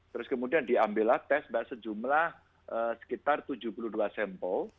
terus kemudian diambillah tes mbak sejumlah sekitar tujuh puluh dua sampel